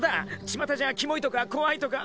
ちまたじゃキモいとか怖いとか。